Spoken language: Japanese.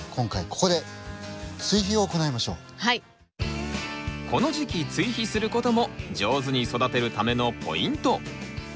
この時期追肥する事も上手に育てるためのポイント。